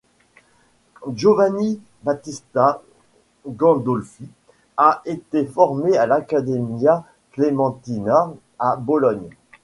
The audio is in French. Giovanni Battista Gandolfi, a été formé à l'Accademia Clementina à Bologne.